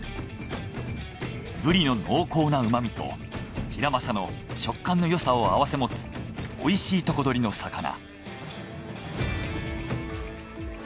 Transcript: ブリの濃厚なうまみとヒラマサの食感のよさを併せ持つおいしいとこ取りの魚。